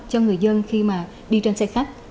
cho người dân khi mà đi trên xe khách